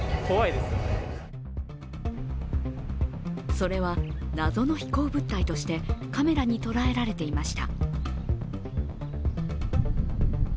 それは謎の飛行物体としてカメラに捉えられていました。